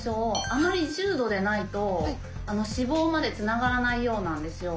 あまり重度でないと死亡までつながらないようなんですよ。